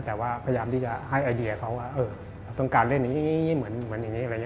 แต่ว่าพยายามได้ให้ไอเดียวเค้าว่าเอ่อต้องการเล่นอย่างนี้เหมือนอย่างนี้